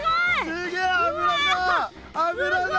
すげえ油だ！